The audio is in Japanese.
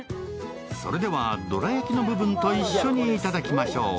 それでは、どら焼きの部分と一緒にいただきましょう。